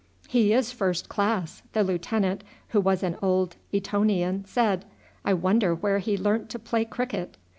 "He is first class," the lieutenant, who was an old Etonian, said. "I wonder where he learnt to play cricket?"